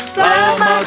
selamat ulang tahun